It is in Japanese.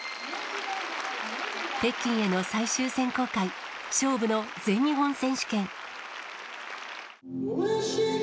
北京への最終選考会、勝負の全日本選手権。